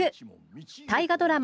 大河ドラマ